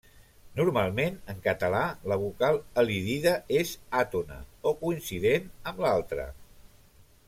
Normalment, en català, la vocal elidida és àtona o coincident amb l'altra.